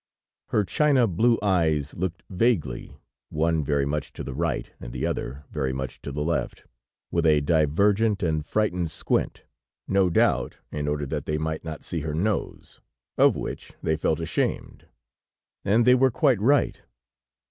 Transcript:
Her china blue eyes looked vaguely, one very much to the right and the other very much to the left, with a divergent and frightened squint; no doubt in order that they might not see her nose, of which they felt ashamed. And they were quite right!